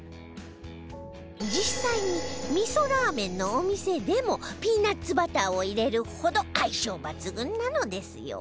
実際に味噌ラーメンのお店でもピーナッツバターを入れるほど相性抜群なのですよ